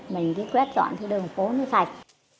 mình cứ quét dọn thử đường phố mới sạch